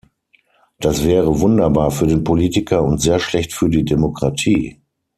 Das wäre wunderbar für den Politiker und sehr schlecht für die Demokratie.